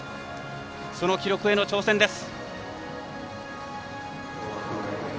その記録への挑戦です。